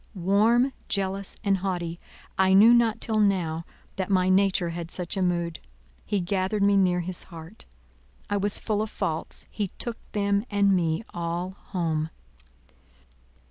Warm, jealous, and haughty, I knew not till now that my nature had such a mood: he gathered me near his heart. I was full of faults; he took them and me all home.